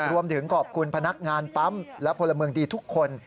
รวมถึงขอบคุณพนักงานปั๊มและพลเมืองดีทุกคน